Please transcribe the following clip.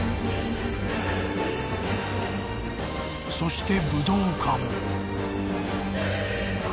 ［そして］